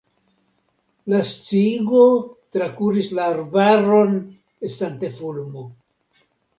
La sciigo trakuris la arbaron estante fulmo.